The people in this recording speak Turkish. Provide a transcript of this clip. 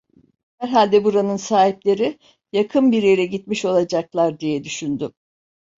Herhalde buranın sahipleri yakın bir yere gitmiş olacaklar! diye düşündüm.